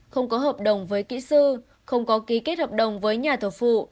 không có hợp đồng với kỹ sư không có ký kết hợp đồng với nhà thầu phụ